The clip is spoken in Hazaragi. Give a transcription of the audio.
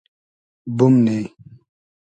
بومنی